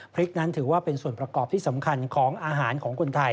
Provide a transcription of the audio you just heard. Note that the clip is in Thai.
พริกนั้นถือว่าเป็นส่วนประกอบที่สำคัญของอาหารของคนไทย